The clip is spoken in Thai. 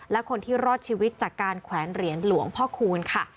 และคนที่รอดชีวิตจากการแขวนเหรียญหลวงพ่อคูณค่ะ